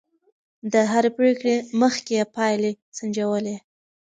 د هرې پرېکړې مخکې يې پايلې سنجولې.